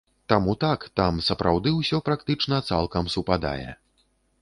Таму так, там сапраўды ўсё практычна цалкам супадае.